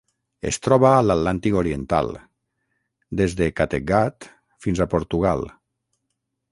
Es troba a l'Atlàntic oriental: des de Kattegat fins a Portugal.